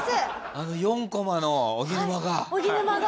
あの４コマのおぎぬまが。